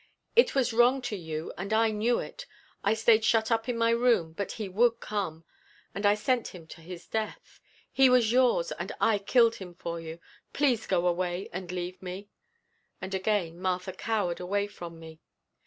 It was wrong to you and I knew it. I stayed shut up in my room, but he would come. And I sent him to his death. He was yours and I killed him for you! Please go away and leave me!" And again Martha cowered away from me.